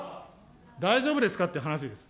大丈夫ですかって話です。